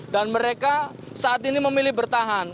dan mereka saat ini memilih bertahan